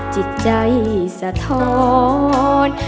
จิตใจสะท้อน